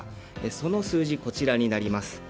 その数字、こちらになります。